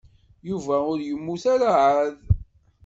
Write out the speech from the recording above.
Yuba ur yemmut ara εad.